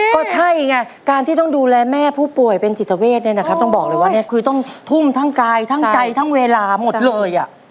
ก็ใช่ไงการที่ต้องดูแลแม่ผู้ป่วยเป็นจิตเวทเนี่ยนะครับต้องบอกเลยว่าเนี่ยคือต้องทุ่มทั้งกายทั้งใจทั้งเวลาหมดเลยอ่ะ